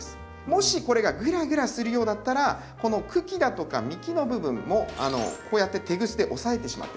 もしこれがグラグラするようだったらこの茎だとか幹の部分もこうやってテグスで押さえてしまって大丈夫です。